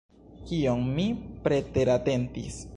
Kion mi preteratentis?